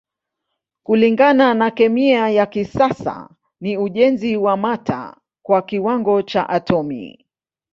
Kulingana na kemia ya kisasa ni ujenzi wa mata kwa kiwango cha atomi.